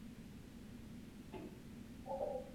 Vile vile Mkoa wa Kagera uko Kusini mwa Ikweta